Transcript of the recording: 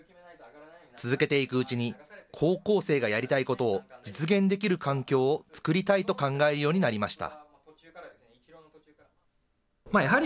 続けていくうちに、高校生がやりたいことを実現できる環境を作りたいと考えるようになりました。